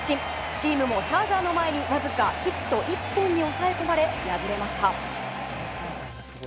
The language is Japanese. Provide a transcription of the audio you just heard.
チームもシャーザーの前にわずかヒット１本に抑え込まれ敗れました。